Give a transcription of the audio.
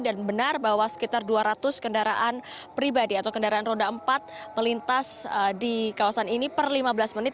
dan benar bahwa sekitar dua ratus kendaraan pribadi atau kendaraan roda empat melintas di kawasan ini per lima belas menit